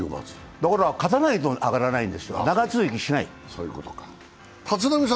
だから勝たないと上がらないんですよ、長続きしない。